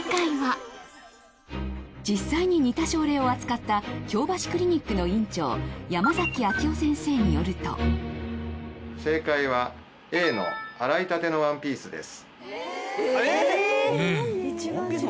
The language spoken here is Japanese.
実際に似た症例を扱った京橋クリニックの院長山崎明男先生によると正解はＡの洗いたてのワンピースです。